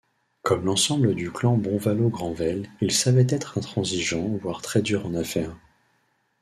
Comme l'ensemble du clan Bonvalot-Granvelle, il savait être intransigeant voire très dur en affaire.